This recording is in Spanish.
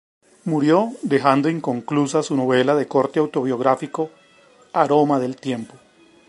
Murió dejando inconclusa su novela de corte autobiográfico "Aroma del tiempo".